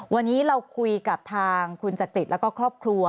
วันนี้เราคุยกับทางคุณจักริตแล้วก็ครอบครัว